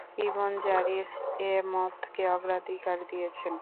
ইবন জারিরও এ মতকে অগ্রাধিকার দিয়েছেন।